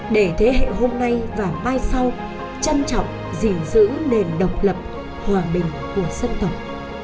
để thế hệ hôm nay và mai sau trân trọng gìn giữ nền độc lập hòa bình của dân tộc